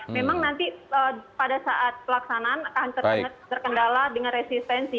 memang nanti pada saat pelaksanaan akan terkendala dengan resistensi